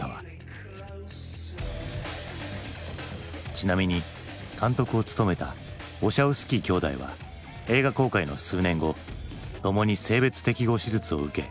ちなみに監督を務めたウォシャウスキー兄弟は映画公開の数年後共に性別適合手術を受け。